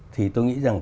thì tôi nghĩ rằng